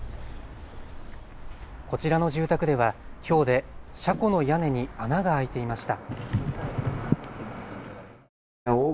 こちらの住宅ではひょうで車庫の屋根に穴が開いていました。